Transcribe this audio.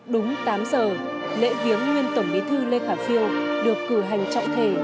đúng tám giờ lễ viếng nguyên tổng bí thư lê khả phiêu được cử hành trọng thể